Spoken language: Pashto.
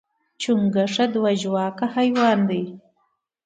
چنډخه دوه ژواکه حیوان دی